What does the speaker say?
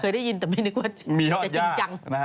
ได้ยินแต่ไม่นึกว่าจะจริงจัง